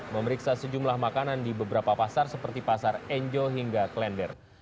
memeriksa sejumlah makanan di beberapa pasar seperti pasar enjo hingga klender